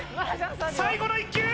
最後の１球！